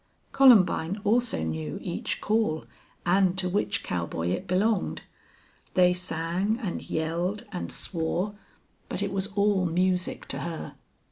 Columbine also knew each call and to which cowboy it belonged. They sang and yelled and swore, but it was all music to her.